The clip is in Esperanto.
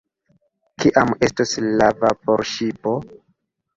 Kiam estos la vaporŝipo?